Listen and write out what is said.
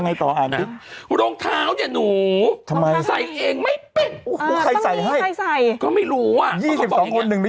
ยังไงต่ออ่านดิ